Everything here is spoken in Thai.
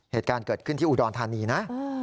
เหตุการณ์เกิดขึ้นที่อุดรธานีนะ